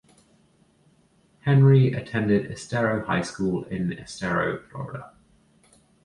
Henry Attended Estero High School in Estero, Florida.